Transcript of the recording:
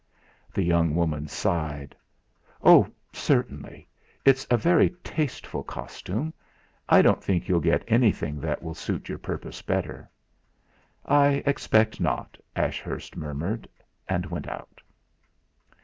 The young woman sighed. "Oh! certainly. It's a very tasteful costume. I don't think you'll get anything that will suit your purpose better." "I expect not," Ashurst murmured, and went out.